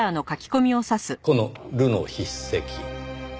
この「ル」の筆跡。